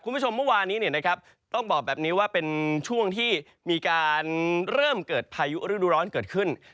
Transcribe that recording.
เมื่อวานี้ต้องบอกแบบนี้ว่าเป็นช่วงที่มีการเริ่มเกิดพายุฤดูร้อนเกิดขึ้น